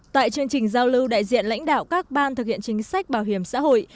tại chương trình giao lưu đại diện lãnh đạo các ban thực hiện chính sách bảo hiểm xã hội